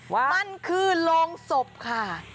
มันคือโรงศพค่ะ